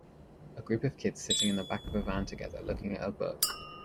A group of kids sitting in the back of a van together looking at a book.